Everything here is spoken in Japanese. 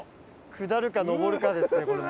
下るか上るかですねこれ。